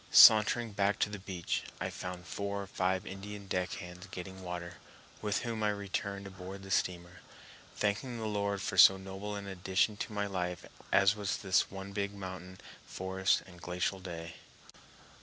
Sauntering back to the beach, I found four or five Indian deck hands getting water, with whom I returned aboard the steamer, thanking the Lord for so noble an addition to my life as was this one big mountain, forest, and glacial day.